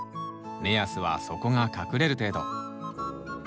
目安は底が隠れる程度。